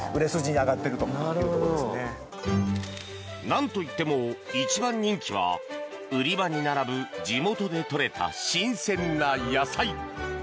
何といっても一番人気は売り場に並ぶ地元でとれた新鮮な野菜。